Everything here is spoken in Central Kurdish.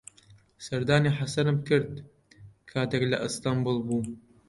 سەردانی حەسەنم کرد کاتێک لە ئەستەنبوڵ بووم.